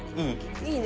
いいね。